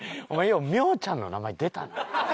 お前ようみょーちゃんの名前出たな？